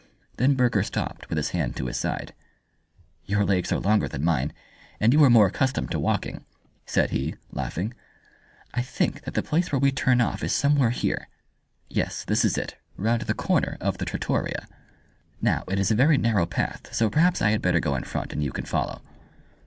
Then Burger stopped with his hand to his side. "Your legs are longer than mine, and you are more accustomed to walking," said he, laughing. "I think that the place where we turn off is somewhere here. Yes, this is it, round the corner of the trattoria. Now, it is a very narrow path, so perhaps I had better go in front, and you can follow."